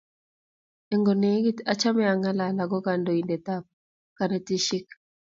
Eng konyiit achame angalal ako kandoindet tab konetishek